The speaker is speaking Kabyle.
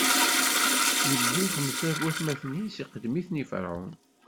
iwwi xemsa seg watmaten-is, iqeddem-iten i Ferɛun.